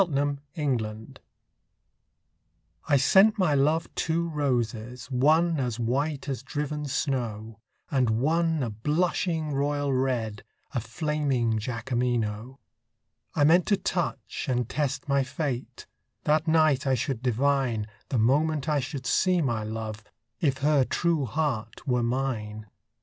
The White Flag I sent my love two roses, one As white as driven snow, And one a blushing royal red, A flaming Jacqueminot. I meant to touch and test my fate; That night I should divine, The moment I should see my love, If her true heart were mine.